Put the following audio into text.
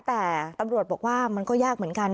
แต่ตำรวจบอกว่ามันก็ยากเหมือนกัน